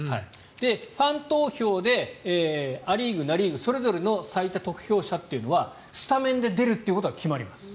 ファン投票でア・リーグ、ナ・リーグそれぞれの最多得票者というのはスタメンで出るというのが決まります。